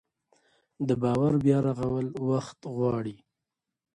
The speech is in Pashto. د باور بیا رغول وخت غواړي